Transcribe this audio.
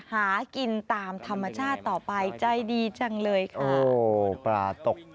หากินตามธรรมชาติต่อไปใจดีจังเลยค่ะ